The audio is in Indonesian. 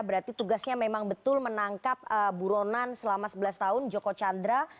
berarti tugasnya memang betul menangkap buronan selama sebelas tahun joko chandra